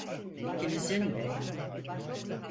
İkinizin de.